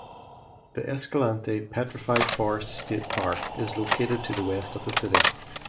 The Escalante Petrified Forest State Park is located to the west of the city.